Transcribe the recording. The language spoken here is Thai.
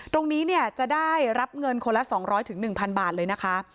ตรงนี้เนี่ยจะได้รับเงินคนละ๒๐๐๑๐๐บาทเลยนะคะ